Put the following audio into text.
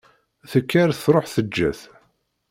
Tekker truḥ teǧǧa-t.